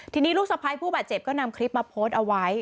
ทีนี้ลูกสะพ้ายผู้บาดเจ็บก็นำคลิปมาโพสต์เอาไว้